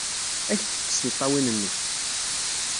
Ad ak-d-tekkes tiṭṭawin-nnek!